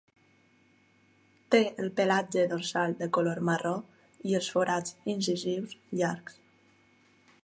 Té el pelatge dorsal de color marró i els forats incisius llargs.